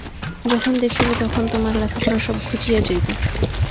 যখন দেখিবে তখন তোমার লেখাপড়া সব ঘুচিয়া যাইবে।